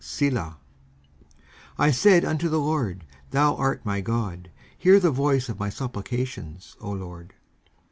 Selah. 19:140:006 I said unto the LORD, Thou art my God: hear the voice of my supplications, O LORD.